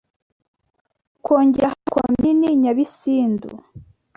ukongeraho Komini Nyabisindu